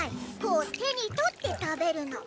こう手にとってたべるの。